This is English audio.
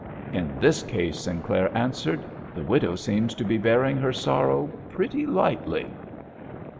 "In this case," Sinclair answered, "the widow seems to be bearing her sorrow pretty lightly!"